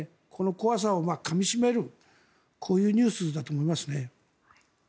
この怖さをかみ締めるこういうニュースだと思いますね。